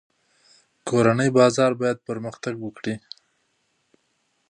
کورني بازار باید پرمختګ وکړي.